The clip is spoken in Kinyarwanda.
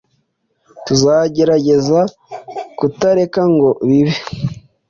Tuzagerageza kutareka ngo bibe